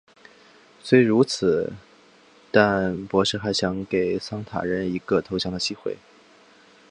虽然如此但博士还想给桑塔人一个投降的机会。